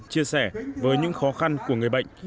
chia sẻ với những khó khăn của người bệnh